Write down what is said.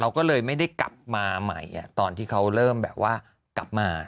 ก็เลยไม่ได้กลับมาใหม่ตอนที่เขาเริ่มแบบว่ากลับมา